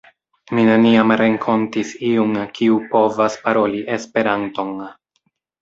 Mi neniam renkontis iun kiu povas paroli Esperanton.